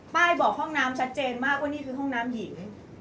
บอกห้องน้ำชัดเจนมากว่านี่คือห้องน้ำหญิง